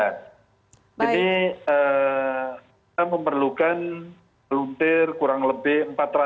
ini kita memerlukan volunteer kurang lebih empat ratus